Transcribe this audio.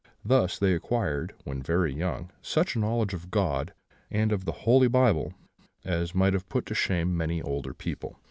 Thus they acquired, when very young, such a knowledge of God, and of the Holy Bible, as might have put to shame many older people.